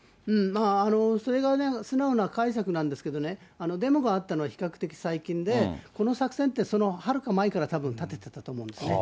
それが素直な解釈なんですけどね、デモがあったのは比較的最近で、この作戦って、そのはるか前から、たぶん立ててたと思うんですね。